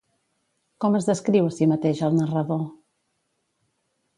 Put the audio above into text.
Com es descriu a si mateix el narrador?